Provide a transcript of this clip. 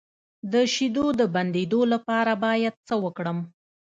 د شیدو د بندیدو لپاره باید څه وکړم؟